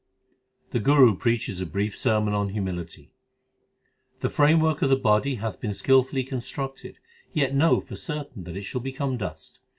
The Guru preaches a brief sermon on humility : The framework of the body hath been skilfully con structed, Yet know for certain that it shall become dust.